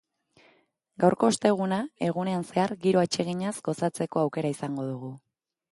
Gaurko, osteguna, egunean zehar, giro atseginaz gozatzeko aukera izango dugu.